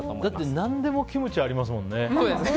何でもキムチ、ありますもんね。